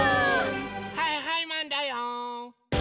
はいはいマンだよ！